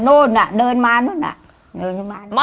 น๊อเดินมานู้นน่ะ